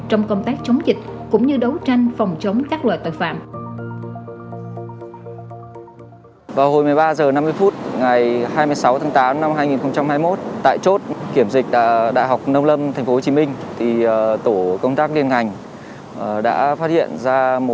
trong công tác chống dịch cũng như đấu tranh phòng chống các loại tội phạm